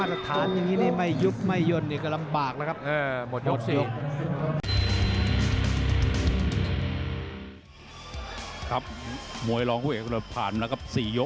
ร้อนเล่นไม่ได้นะยอดมวยไทยรัฐเนี่ย